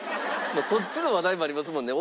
そっちの話題もありますもんね。